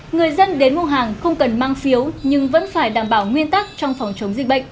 người dân đến mua hàng không cần mang phiếu nhưng vẫn phải đảm bảo nguyên tắc trong phòng chống dịch bệnh